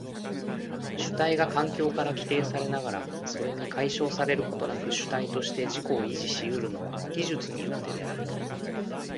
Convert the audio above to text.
主体が環境から規定されながらそれに解消されることなく主体として自己を維持し得るのは技術によってである。